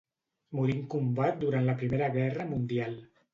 Morí en combat durant la Primera Guerra Mundial.